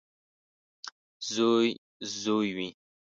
• زوی زوی وي.